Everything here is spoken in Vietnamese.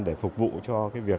để phục vụ cho việc chuyên nghiệp